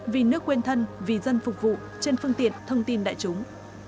vì nước quên thân vì dân phục vụ trên phương tiện thông tin đại chúng